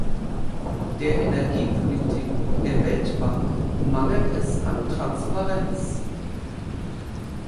Der Energiepolitik der Weltbank mangelt es an Transparenz.